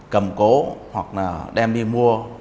cầm cố hoặc là đem đi mua